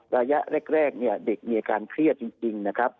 ระยะแรกเนี่ยเด็กมีอาการเครียดจริงนะครับ